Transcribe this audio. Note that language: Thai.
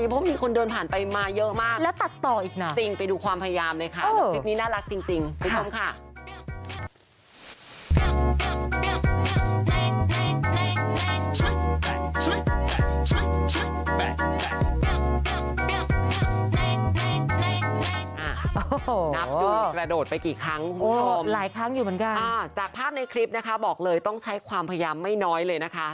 ภาพในคลิปนะคะบอกเลยต้องใช้ความพยายามไม่น้อยเลยนะคะ